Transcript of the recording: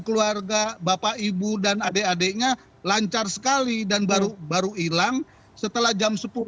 keluarga bapak ibu dan adik adiknya lancar sekali dan baru baru hilang setelah jam sepuluh